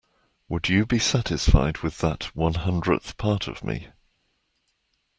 Would you be satisfied with that one hundredth part of me.